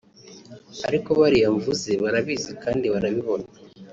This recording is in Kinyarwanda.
Ariko bariya mvuze barabizi kandi barabibona